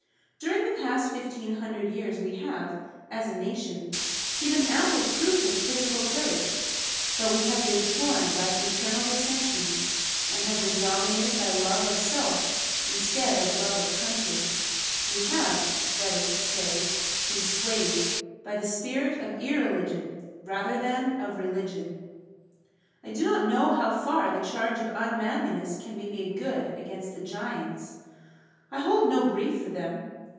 During the past 1,500 years we have, as a nation, given ample proof of physical courage, but we have been torn by internal dissensions and have been dominated by love of self instead of love of country. We have, that is to say, been swayed by the spirit of irreligion rather than of religion. I do not know how far the charge of unmanliness can be made good against the Jains. I hold no brief for them.